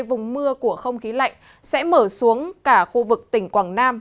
vùng mưa của không khí lạnh sẽ mở xuống cả khu vực tỉnh quảng nam